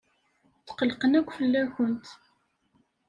Tqellqen akk fell-awent.